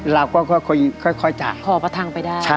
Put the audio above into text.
เราก็ค่อยจะขอประทังไปได้